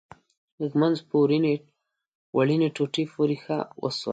ږمنځ په وړینې ټوټې پورې ښه وسولوئ.